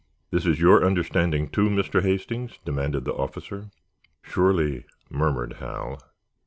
"This is your understanding, too, Mr. Hastings?" demanded the officer. "Surely," murmured Hal.